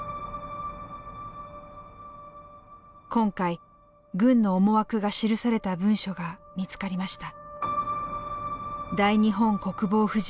今回軍の思惑が記された文書が見つかりました。